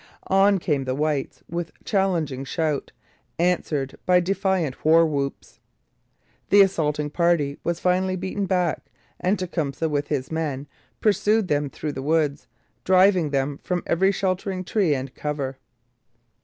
On came the whites with challenging shout, answered by defiant war whoops. The assaulting party was finally beaten back; and Tecumseh, with his men, pursued them through the woods, driving them from every sheltering tree and cover.